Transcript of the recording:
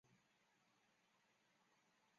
尚博纳人口变化图示